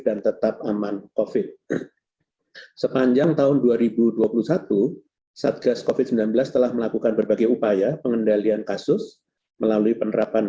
dan tetap aman covid sepanjang tahun dua ribu dua puluh satu satgas covid sembilan belas telah melakukan berbagai upaya pengendalian